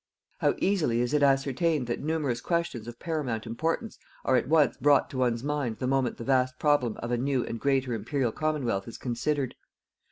How easily is it ascertained that numerous questions of paramount importance are at once brought to one's mind the moment the vast problem of a new and greater Imperial Commonwealth is considered.